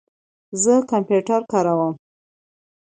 زه کمپیوټر کاروم